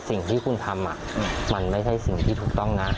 สิ่งที่คุณทำมันไม่ใช่สิ่งที่ถูกต้องนะ